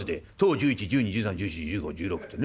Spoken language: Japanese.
『１０１１１２１３１４１５１６』ってね。